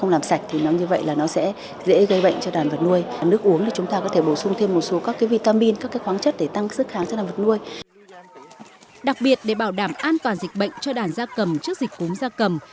đặc biệt để bảo đảm an toàn dịch bệnh cho đàn da cầm trước dịch cúm da cầm